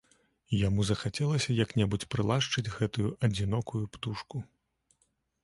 Яму захацелася як-небудзь прылашчыць гэтую адзінокую птушку.